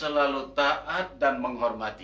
sebagai anak yang dihormati